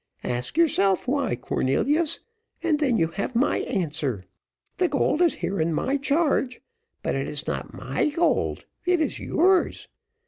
Ask yourself why, Cornelius, and then you have my answer. The gold is here in my charge, but it is not my gold it is yours.